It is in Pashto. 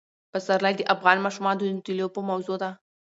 پسرلی د افغان ماشومانو د لوبو موضوع ده.